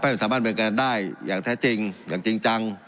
ให้สถาบันบันการณ์ได้อย่างแท้จริงอย่างจริงจัง